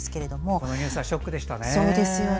このニュースはショックでしたね。